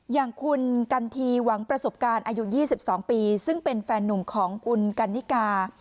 อย่างคุณกันทีหวังประสบการณ์อายุ๒๒ปีซึ่งเป็นแฟนหนุ่มของคุณกันนิกา